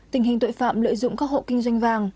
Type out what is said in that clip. tình hình tội phạm lợi dụng các hộ kinh doanh vàng